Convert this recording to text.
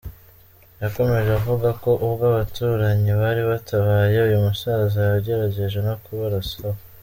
Yakomeje avuga ko ubwo abaturanyi bari batabaye, uyu musaza yagerageje no kubarasaho.